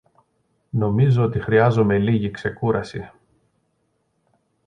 Νομίζω ότι χρειάζομαι λίγη ξεκούραση.